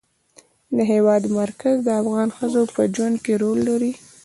د هېواد مرکز د افغان ښځو په ژوند کې رول لري.